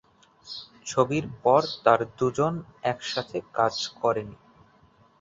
ছবির পর তার দুজন একসাথে কাজ করে নি।